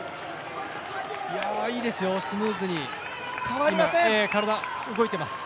いいですよ、スムーズに体動いています。